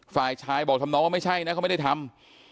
ฝ่ายชายบอกทำน้องว่าไม่ใช่นะเขาไม่ได้ทำ